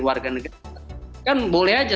warga negara kan boleh aja